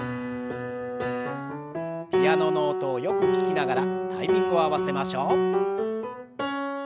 ピアノの音をよく聞きながらタイミングを合わせましょう。